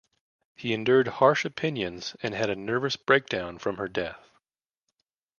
He endured harsh opinions and had a nervous breakdown from her death.